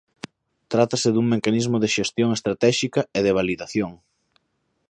Trátase dun mecanismo de xestión estratéxica e de validación.